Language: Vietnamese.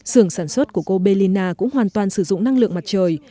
sưởng sản xuất của cô bellina cũng hoàn toàn sử dụng năng lượng mặt trời